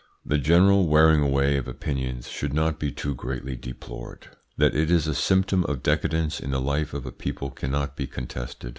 The general wearing away of opinions should not be too greatly deplored. That it is a symptom of decadence in the life of a people cannot be contested.